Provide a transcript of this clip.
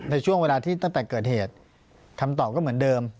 ในช่วงเวลาที่ตั้งแต่เกิดเหตุคำตอบก็เหมือนเดิม